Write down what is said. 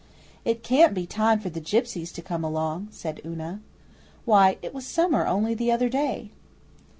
'It can't be time for the gipsies to come along,' said Una. 'Why, it was summer only the other day!